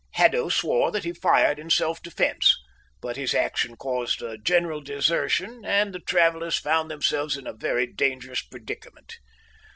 Haddo swore that he fired in self defence, but his action caused a general desertion, and the travellers found themselves in a very dangerous predicament.